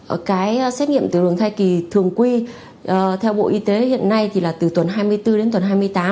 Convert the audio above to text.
ở cái xét nghiệm tiểu đường thai kỳ thường quy theo bộ y tế hiện nay thì là từ tuần hai mươi bốn đến tuần hai mươi tám